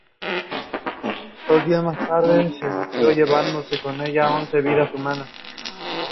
She continued to teach while raising three children and commuting to earn her PhD.